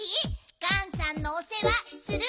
ガンさんのおせわする？